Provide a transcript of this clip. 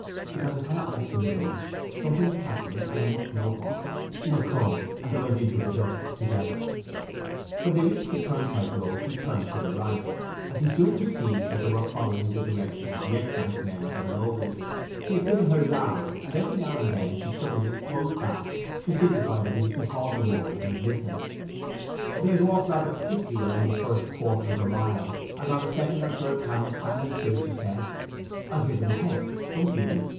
'Because I cannot rest indoors. Something is happening, and I must know what. Now, come!' And they went into the dusk together. When they reached the turnpike road she turned to the right, and he soon perceived that they were following the direction of the excisemen and their load. He had given her his arm, and every now and then she suddenly pulled it back, to signify that he was to halt a moment and listen. They had walked rather quickly along the first quarter of a mile, and on the second or third time of standing still she said, 'I hear them ahead—don't you?